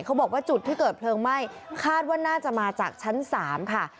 เขาบอกว่าจุดที่เกิดเพลิงไหม้คาดว่าน่าจะมาจากชั้น๓ค่ะ